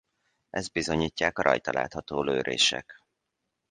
Ezt bizonyítják a rajta látható lőrések.